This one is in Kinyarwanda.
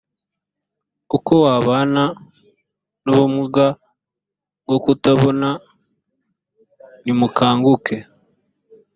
uko wabana n ubumuga bwo kutabona nimukanguke